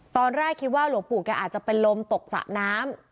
ตอนแรกคิดว่าหลวงปู่แกอาจจะเป็นลมตกสระน้ำ